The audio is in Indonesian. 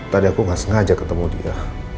tadi aku gak sengaja ketemu dia